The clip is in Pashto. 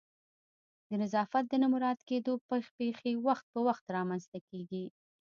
د نظافت د نه مراعت کېدو پیښې وخت په وخت رامنځته کیږي